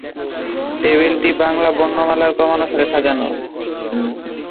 টেবিলটি বাংলা বর্ণমালার ক্রমানুসারে সাজানো।